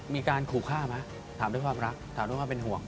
มีการขู่ฆ่าไหมถามด้วยความรักถามด้วยความเป็นห่วง